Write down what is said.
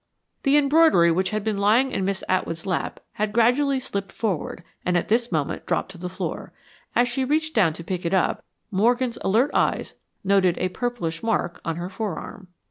The embroidery which had been lying in Miss Atwood's lap had gradually slipped forward and at this moment dropped to the floor. As she reached down to pick it up, Morgan's alert eyes noted a purplish mark on her forearm.